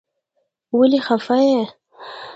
ولې خفه يې.